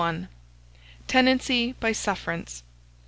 TENANCY BY SUFFERANCE.